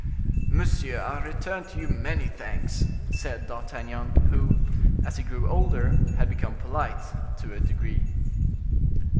"Monsieur, I return to you many thanks," said D'Artagnan, who as he grew older, had become polite to a degree.